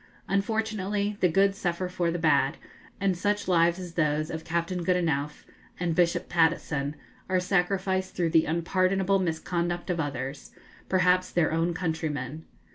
Unfortunately, the good suffer for the bad, and such lives as those of Captain Goodenough and Bishop Patteson are sacrificed through the unpardonable misconduct of others perhaps their own countrymen.